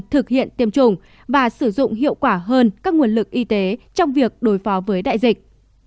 thực hiện tiêm chủng và sử dụng hiệu quả hơn các nguồn lực y tế trong việc đối phó với đại dịch